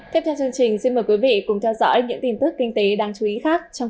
tiếp theo chương trình xin mời quý vị cùng theo dõi những tin tức kinh tế đáng chú ý khác trong kinh tế phương nam